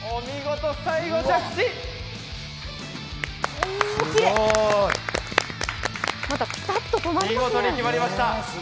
見事に決まりました。